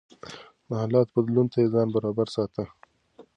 د حالاتو بدلون ته يې ځان برابر ساته.